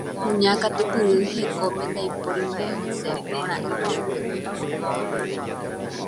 Kuña katupyry hekópe ndaipóri mba'e osẽ porã'ỹva chupe.